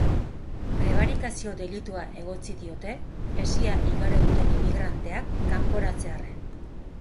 Prebarikazio delitua egotzi diote, hesia igaro duten immigranteak kanporatzearren.